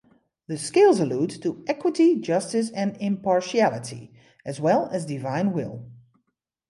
The scales allude to equity, justice, and impartiality, as well as divine will.